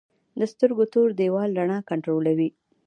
د سترګو تور دیوال رڼا کنټرولوي